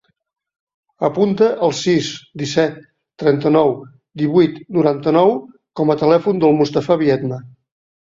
Apunta el sis, disset, trenta-nou, divuit, noranta-nou com a telèfon del Mustafa Biedma.